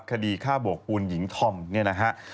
คดีฆ่าโบกปูนหญิงธอมเนี่ยนะฮะ